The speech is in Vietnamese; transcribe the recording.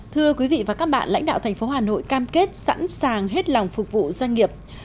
thưa quý vị và các bạn lãnh đạo thành phố hà nội cam kết sẵn sàng hết lòng phục vụ doanh nghiệp